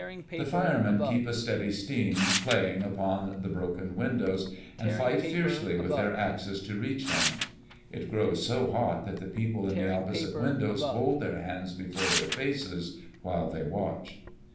The firemen keep a steady stream playing through the broken panes, and fight fiercely with their axes to reach him. It grows so hot that the people in the opposite windows hold their hands before their faces, while they watch.